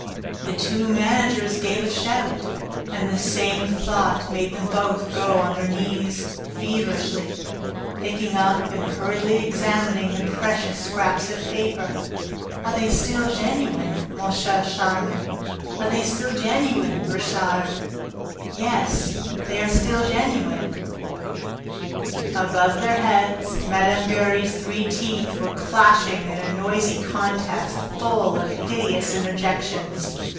The two managers gave a shout, and the same thought made them both go on their knees, feverishly, picking up and hurriedly examining the precious scraps of paper. "Are they still genuine, Moncharmin?" "Are they still genuine, Richard?" "Yes, they are still genuine!" Above their heads, Mme. Giry's three teeth were clashing in a noisy contest, full of hideous interjections.